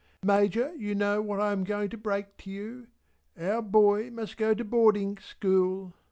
"Major you know what I am going to break to you. Our boy must go to boarding school."